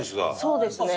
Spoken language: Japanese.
そうですね。